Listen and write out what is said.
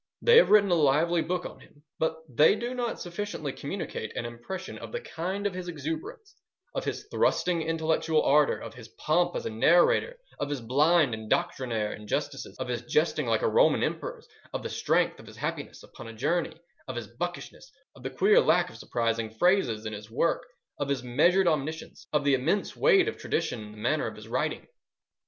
They have written a lively book on him, but they do not sufficiently communicate an impression of the kind of his exuberance, of his thrusting intellectual ardour, of his pomp as a narrator, of his blind and doctrinaire injustices, of his jesting like a Roman Emperor's, of the strength of his happiness upon a journey, of his buckishness, of the queer lack of surprising phrases in his work, of his measured omniscience, of the immense weight of tradition in the manner of his writing.